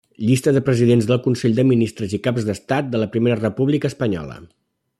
Llista de presidents del consell de ministres i caps d'Estat de la Primera República Espanyola.